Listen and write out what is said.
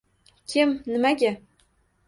Kim, nimaga?